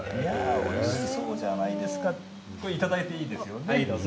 おいしそうじゃないですかこれはいただいていいんですよね。